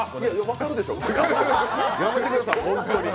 分かるでしょう、やめてください、ホントに。